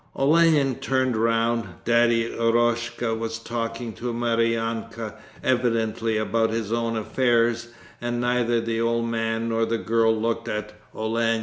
Olenin turned round. Daddy Eroshka was talking to Maryanka, evidently about his own affairs, and neither the old man nor the girl looked at Olenin.